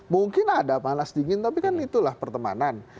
mungkin ada panas dingin tapi kan itulah pertemanan